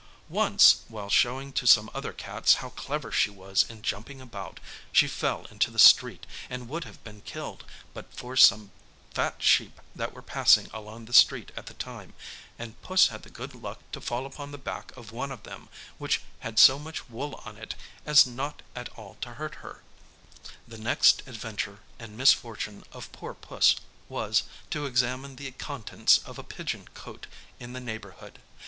Once, while showing to some other cats how clever she was in jumping about, she fell into the street, and would have been killed, but for some fat sheep that were passing along the street at the time, and Puss had the good luck to fall upon the back of one of them, which had so much wool on it, as not at all to hurt her. The next adventure and misfortune of poor Puss, was, to examine the contents of a pigeon cote in the neighbourhood.